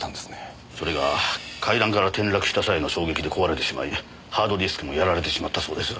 それが階段から転落した際の衝撃で壊れてしまいハードディスクもやられてしまったそうです。